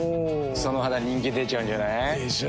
その肌人気出ちゃうんじゃない？でしょう。